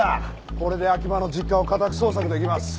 これで秋葉の実家を家宅捜索できます。